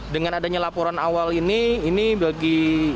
dengan adanya laporan awal ini